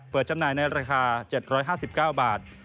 จำหน่ายในราคา๗๕๙บาท